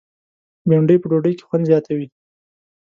بېنډۍ په ډوډۍ کې خوند زیاتوي